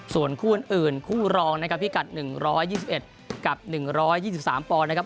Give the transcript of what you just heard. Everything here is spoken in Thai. ส่วนคู่อื่นคู่รองนะครับพิกัด๑๒๑กับ๑๒๓ปอนด์นะครับ